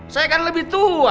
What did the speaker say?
saya kan lebih tua